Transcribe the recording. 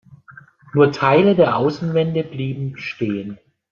Nur Teile der Außenwände blieben stehen.